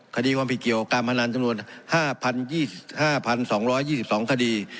คดีความผิดเกี่ยวกับการพนันจำนวน๕๒๕๒๒๒คดี